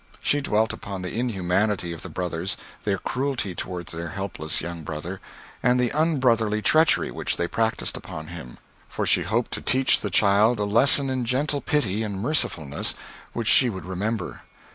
She dwelt upon the inhumanity of the brothers; their cruelty toward their helpless young brother; and the unbrotherly treachery which they practised upon him; for she hoped to teach the child a lesson in gentle pity and mercifulness which she would remember.